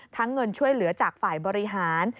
เงินช่วยเหลือจากฝ่ายบริหาร